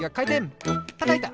たたいた！